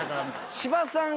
芝さん